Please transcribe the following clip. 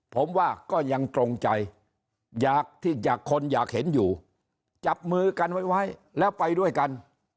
ผมว่าก็ยังตรงใจอยากที่อยากคนอยากเห็นอยู่จับมือกันไว้แล้วไปด้วยกัน